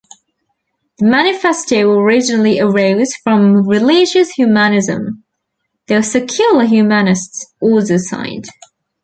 The Manifesto originally arose from religious Humanism, though secular Humanists also signed.